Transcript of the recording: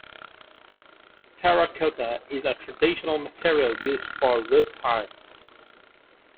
Terracotta is a traditional material used for roof tiles.